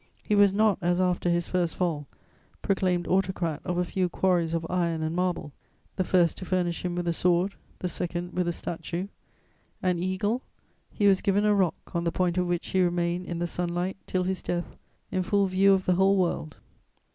He was not, as after his first fall, proclaimed autocrat of a few quarries of iron and marble, the first to furnish him with a sword, the second with a statue; an eagle, he was given a rock on the point of which he remained in the sun light till his death, in full view of the whole world.